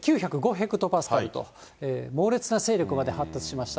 ヘクトパスカルと、猛烈な勢力まで発達しました。